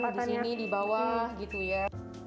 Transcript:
misalkan disini dibawah gitu ya